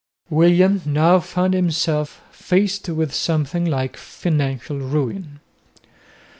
William now found himself faced with something like financial ruin.